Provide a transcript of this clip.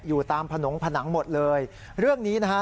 อยู่ตามผนงผนังหมดเลยเรื่องนี้นะฮะ